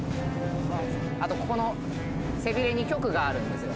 あとここの背びれに棘があるんですよ。